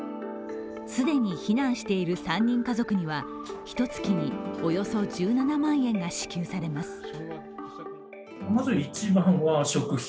既に避難している３人家族にはひとつきにおよそ１７万円が支給されます。